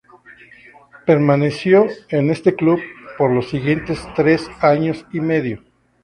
Permaneció en este club por los siguientes tres años y medio.